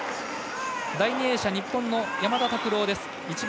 第２泳者、日本の山田拓朗です。